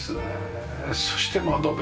そして窓辺。